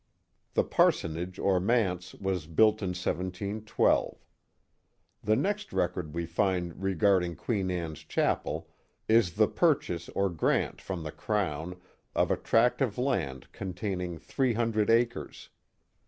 The parsonage or manse was built in 1712. The next record we find regarding Queen Anne's Chapel, is the purchase or grant from the Crown of a tract of land con taining three hundred acres.